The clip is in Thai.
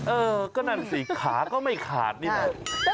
เออก็นั่นสิขาก็ไม่ขาดนี่แหละ